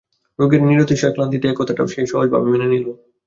রোগের নিরতিশয় ক্লান্তিতে এ কথাটাকেও সহজভাবে সে মেনে নিলে।